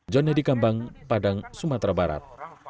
jonny adikambang padang sumatera barat